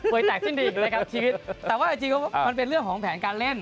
วยแตกสิ้นดีอีกนะครับชีวิตแต่ว่าจริงมันเป็นเรื่องของแผนการเล่น